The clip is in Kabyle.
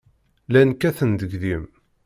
Llan kkaten-d deg-m.